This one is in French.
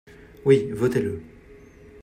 Oui, votez-le.